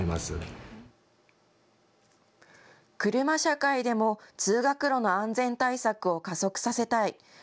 車社会でも通学路の安全対策を加速させたい。